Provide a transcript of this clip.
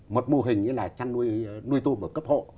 một mô hình là chăn nuôi tôm ở cấp hộ